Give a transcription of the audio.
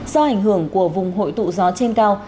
do ảnh hưởng của vùng hội tụ gió trên cao